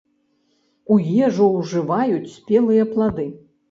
У ежу ўжываюць спелыя плады.